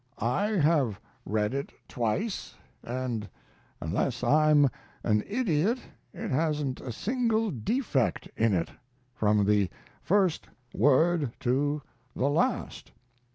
I have read it twice, and unless I am an idiot it hasn't a single defect in it, from the first word to the last.